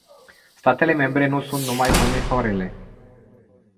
Statele membre nu sunt numai bune sau rele.